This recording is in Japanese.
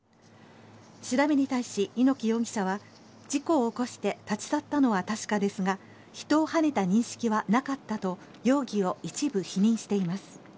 調べに対し猪木容疑者は事故を起こして立ち去ったのは確かですが人をはねた認識はなかったと容疑を一部否認しています。